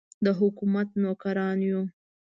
د حکومت نوکران یو.